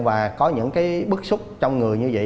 và có những bức xúc trong người như vậy